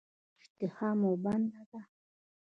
ایا اشتها مو بنده ده؟